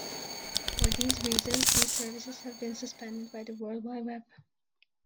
For these reasons, these services have since been superseded by the World Wide Web.